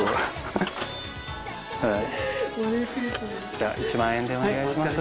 じゃあ１万円でお願いします。